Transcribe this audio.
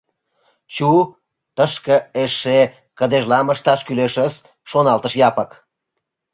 «Чу, тыште эше кыдежлам ышташ кӱлешыс, — шоналтыш Япык.